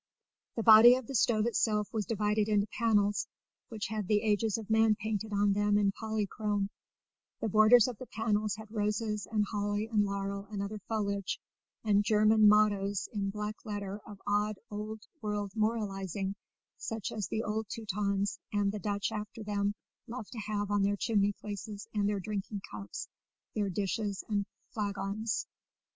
The body of the stove itself was divided into panels, which had the Ages of Man painted on them in polychrome; the borders of the panels had roses and holly and laurel and other foliage, and German mottoes in black letter of odd Old World moralising, such as the old Teutons, and the Dutch after them, love to have on their chimney places and their drinking cups, their dishes and flagons.